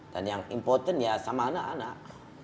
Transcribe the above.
dan yang important ya sama anak anak